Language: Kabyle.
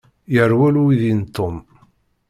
Yerwel uydi n Tom.